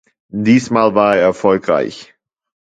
Diesmal war er erfolgreich.